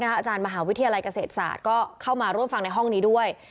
อาจารย์มหาวิทยาลัยเกษตรศาสตร์ก็เข้ามาร่วมฟังในห้องนี้ด้วย